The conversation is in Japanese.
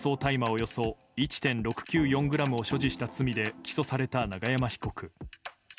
およそ１．６９４ｇを所持した罪で起訴された永山被告。